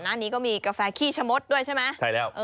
หน้านี้ก็มีกาแฟขี้ชะมดด้วยใช่ไหม